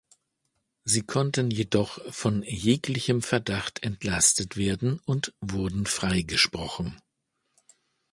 Sie konnten jedoch von jeglichem Verdacht entlastet werden und wurden freigesprochen.